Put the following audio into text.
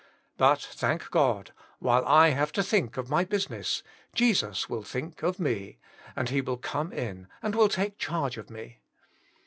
But thank God, while I have to think of my business, Jesus will think of me, and He will come in and will take charge of me.